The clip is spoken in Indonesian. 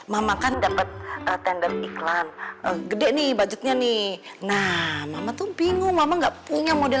mama kan dapat tender iklan gede nih budgetnya nih nah mama tuh bingung mama enggak punya model